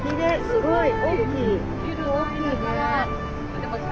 すごい。